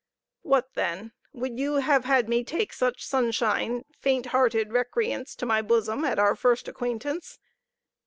What, then! would you have had me take such sunshine, faint hearted recreants to my bosom at our first acquaintance?